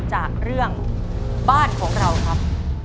จากเรื่องบ้านของเราครับ